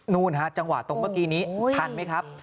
นู่นฮะจังหวะตรงเมื่อกี้นี้ทันไหมครับ